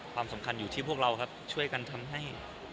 ความสำคัญอยู่ที่พวกเราครับช่วยกันทำให้